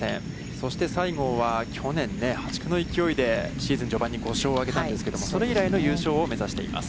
そして西郷は、去年ね、破竹の勢で、シーズン序盤に５勝を挙げたんですけれども、それ以来の優勝を目指しています。